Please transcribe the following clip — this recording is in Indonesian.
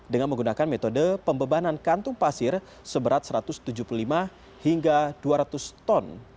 dengan menggunakan metode pembebanan kantung pasir seberat satu ratus tujuh puluh lima hingga dua ratus ton